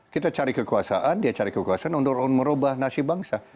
kita cari kekuasaan dia cari kekuasaan untuk merubah nasib bangsa